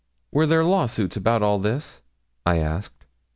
'Were there law suits about all this?' I asked.